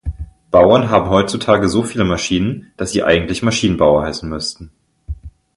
Bauern haben heutzutage so viele Maschinen, dass sie eigentlich Maschinenbauer heißen müssten.